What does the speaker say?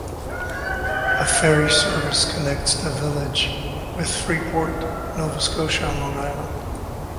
A ferry service connects the village with Freeport, Nova Scotia on Long Island.